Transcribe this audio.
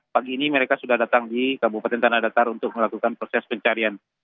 pagi ini mereka sudah datang di kabupaten tanah datar untuk melakukan proses pencarian